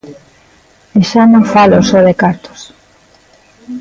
E xa non falo só de cartos.